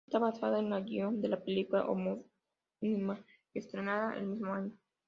Está basada en el guion de la película homónima estrenada el mismo año.